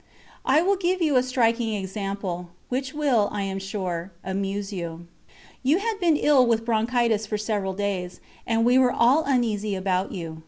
I will give you a striking example, which will, I am sure, amuse you. You had been ill with bronchitis for several days, and we were all uneasy about you.